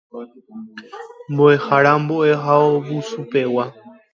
Mboʼehára Mboʼehaovusupegua.